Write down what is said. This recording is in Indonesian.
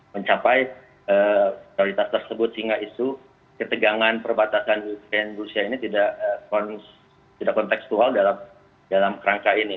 mencapai prioritas tersebut hingga isu ketegangan perbatasan indonesia ini tidak konteksual dalam rangka ini